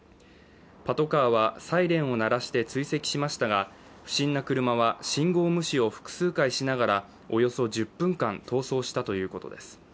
パトカーはサイレンを鳴らして追跡しましたが、不審な車は信号無視を複数回しながらおよそ１０分間逃走したということです。